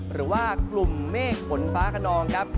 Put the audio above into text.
หรือว่ากลุ่มเมฆฝนฟ้าขนองครับ